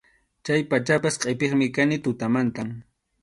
Chay pachapas qʼipiqmi kani tutamantam.